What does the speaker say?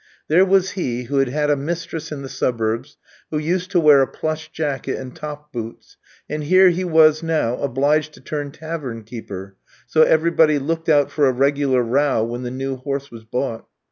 There was he who had had a mistress in the suburbs, who used to wear a plush jacket and top boots, and here he was now obliged to turn tavern keeper; so everybody looked out for a regular row when the new horse was bought.